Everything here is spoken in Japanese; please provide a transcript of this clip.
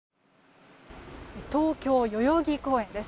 東京・代々木公園です。